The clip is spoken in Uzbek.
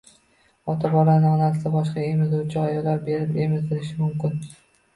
Ota bolani onasidan boshqa emizuvchi ayolga berib emizdirishi mumkin.